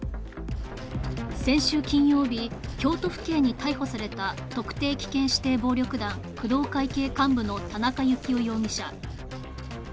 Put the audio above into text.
先週金曜日、京都府警に逮捕された特定危険指定暴力団・工藤会系幹部の田中幸雄容疑者。